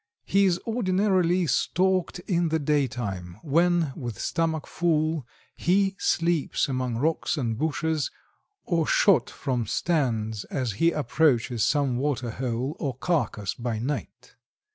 He is ordinarily stalked in the daytime, when, with stomach full, he sleeps among rocks and bushes, or shot from stands as he approaches some water hole or carcass by night.